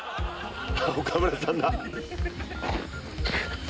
岡村さんだ。